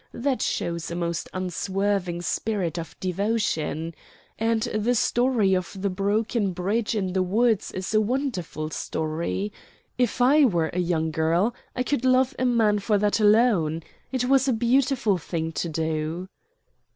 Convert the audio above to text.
That shows a most unswerving spirit of devotion. And the story of the broken bridge in the woods is a wonderful story. If I were a young girl, I could love a man for that alone. It was a beautiful thing to do."